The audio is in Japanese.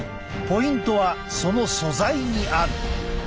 ポイントはその素材にある。